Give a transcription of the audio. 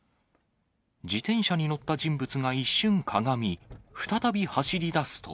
自転車に乗った人物が一瞬かがみ、再び走りだすと。